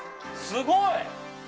すごい！